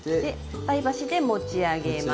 菜箸で持ち上げます。